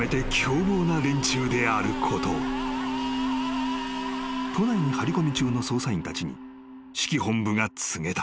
［都内に張り込み中の捜査員たちに指揮本部が告げた］